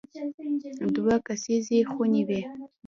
دوه کسیزې خونې وې.